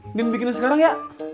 ndn bikinnya sekarang ya